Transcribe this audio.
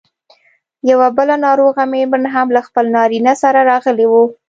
یوه بله ناروغه مېرمن هم له خپل نارینه سره راغلې وه.